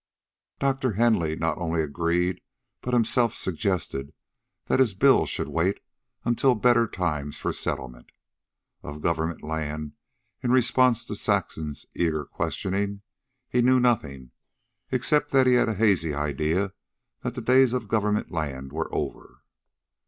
Doctor Hentley not only agreed, but himself suggested, that his bill should wait against better times for settlement. Of government land, in response to Saxon's eager questioning, he knew nothing, except that he had a hazy idea that the days of government land were over.